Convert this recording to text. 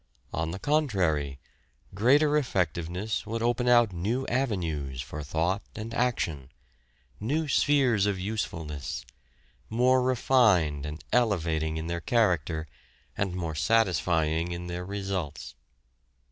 On the contrary, greater effectiveness would open out new avenues for thought and action, new spheres of usefulness, more refined and elevating in their character, and more satisfying in their results.